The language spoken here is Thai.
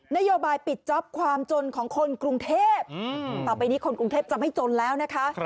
นโยบายปิดจ๊อปความจนของคนกรุงเทพต่อไปนี้คนกรุงเทพจะไม่จนแล้วนะคะ